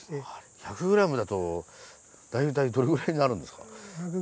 １００ｇだと大体どれぐらいになるんですか？